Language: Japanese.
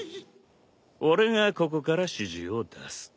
俺がここから指示を出す。